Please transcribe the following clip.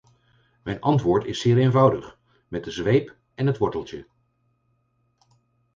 Mijn antwoord is zeer eenvoudig: met de zweep en het worteltje.